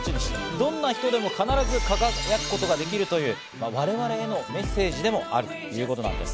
どんな人でも必ず輝くことができるという我々へのメッセージでもあるということなんです。